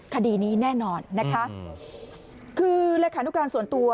คดีนี้แน่นอนนะคะคือเลขานุการส่วนตัว